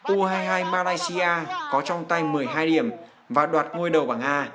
u hai mươi hai malaysia có trong tay một mươi hai điểm và đoạt ngôi đầu bảng nga